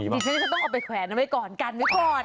ดิฉันจะต้องเอาไปแขวนเอาไว้ก่อนกันไว้ก่อน